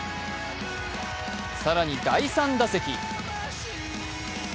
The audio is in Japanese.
更に第３打席。